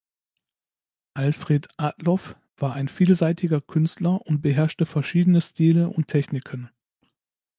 Alfred Adloff war ein vielseitiger Künstler und beherrschte verschiedene Stile und Techniken.